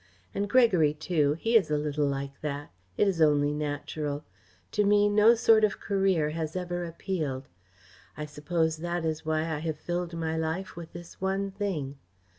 And Gregory too he is a little like that. It is only natural. To me no sort of career has ever appealed. I suppose that is why I have filled my life with this one thing.